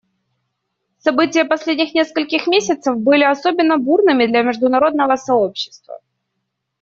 События последних нескольких месяцев были особенно бурными для международного сообщества.